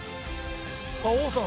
あっ王さん。